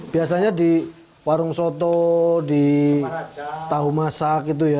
biasanya di warung soto di tahu masak itu ya